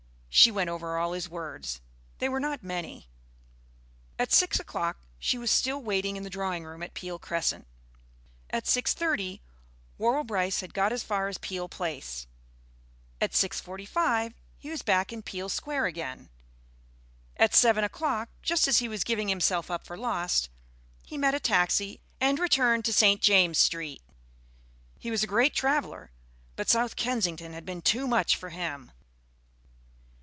She went over all his words.... They were not many. At six o'clock she was still waiting in the drawing room at Peele Crescent.... At six thirty Worrall Brice had got as far as Peele Place.... At six forty five he was back in Peele Square again.... At seven o'clock, just as he was giving himself up for lost, he met a taxi and returned to St. James' Street. He was a great Traveller, but South Kensington had been too much for him.